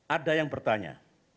ada yang bertanya